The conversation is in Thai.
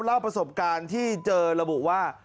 เล่าประสบการณ์ที่เจอระบุว่า